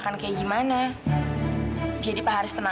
aku fadil aku bukan taufan